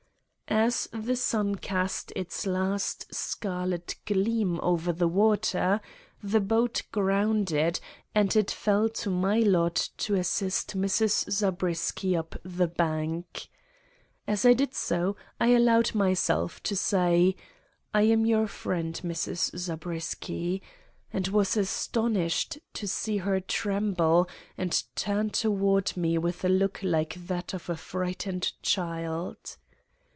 As the sun cast its last scarlet gleam over the water, the boat grounded, and it fell to my lot to assist Mrs. Zabriskie up the bank. As I did so, I allowed myself to say: "I am your friend, Mrs. Zabriskie," and was astonished to see her tremble, and turn toward me with a look like that of a frightened child.